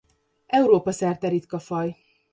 Európa-szerte ritka faj.